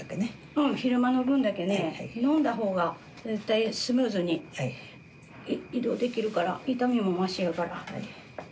うん昼間の分だけね飲んだ方が絶対スムーズに移動できるから痛みもましやから。